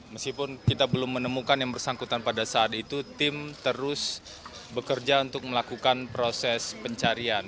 meskipun kita belum menemukan yang bersangkutan pada saat itu tim terus bekerja untuk melakukan proses pencarian